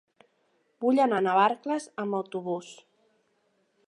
Vull anar a Navarcles amb autobús.